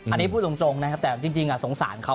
อันนี้พูดตรงนะครับแต่จริงสงสารเขา